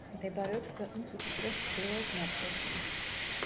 მდებარეობს ქვეყნის უკიდურეს ჩრდილოეთ ნაწილში.